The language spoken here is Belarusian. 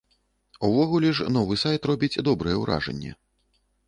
Увогуле ж новы сайт робіць добрае ўражанне.